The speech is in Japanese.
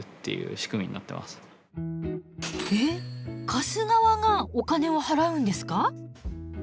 貸す側がお金を払うんですか？